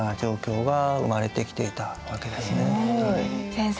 先生